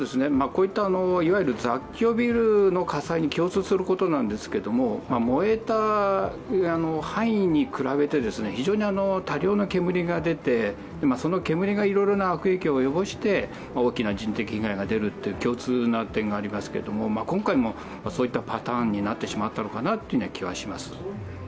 雑居ビルの火災に共通することなんですけれども、燃えた範囲に比べて、非常に多量な煙が出てその煙がいろいろな悪影響を及ぼして大きな人的被害が出るという共通の点がありますが、今回もそういったパターンになってしまったのかなという気がします。